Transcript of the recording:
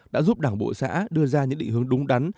đã giúp đảng bộ xã đưa ra những định hướng đúng đắn